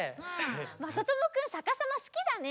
まさともくんさかさますきだね。